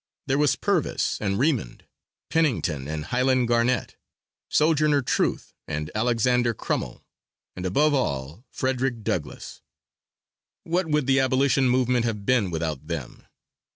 There was Purvis and Remond, Pennington and Highland Garnett, Sojourner Truth and Alexander Crummel, and above all, Frederick Douglass what would the abolition movement have been without them?